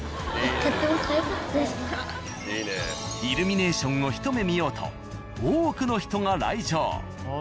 イルミネーションをひと目見ようと多くの人が来場。